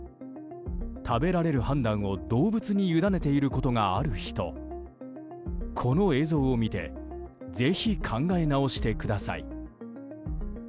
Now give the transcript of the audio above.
食べられる判断を動物に委ねていることがある人この映像を見てぜひ考え直してください。